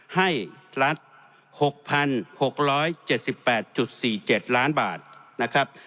ให้รัฐ๖๖๗๘๔๗ล้านบาทนะครับ